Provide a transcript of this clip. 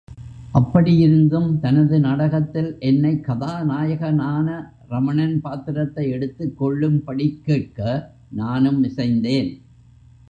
அப்படியிருந்தும் தனது நாடகத்தில் என்னைக் கதாநாயகனான ரமணன் பாத்திரத்தை எடுத்துக் கொள்ளும்படிக் கேட்க, நானும் இசைந்தேன்.